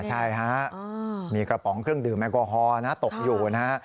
ใช่ฮะมีกระป๋องเครื่องดื่มแอลกอฮอลนะตกอยู่นะฮะ